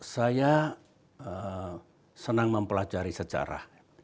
saya senang mempelajari sejarah